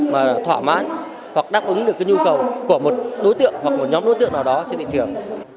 mà thỏa mãn hoặc đáp ứng được cái nhu cầu của một đối tượng hoặc một nhóm đối tượng nào đó trên thị trường